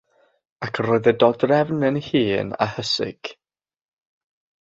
Ac roedd y dodrefn yn hen a hysig.